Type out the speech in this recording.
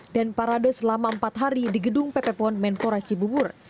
dan parade selama empat hari di gedung pp pon menkoraci bubur